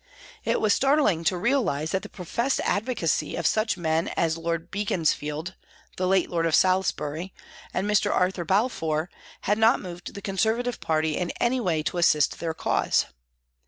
It was startling to realise that the professed advocacy of such men as Lord Beacons field, the late Lord Salisbury and Mr. Arthur Balfour had not moved the Conservative party in any way to assist their cause.